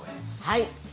はい。